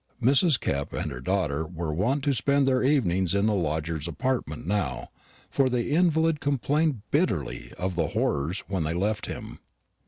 Mrs. Kepp and her daughter were wont to spend their evenings in the lodger's apartment now; for the invalid complained bitterly of "the horrors" when they left him.